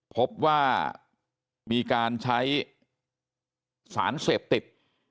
พบว่ามีการใช้สารเสพติด